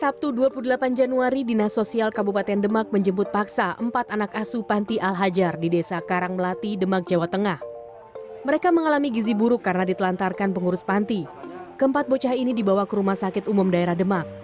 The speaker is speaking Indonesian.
pertama sekali nilai empat diberikan kepada panti yang sejak awal sudah punya sebuah sistem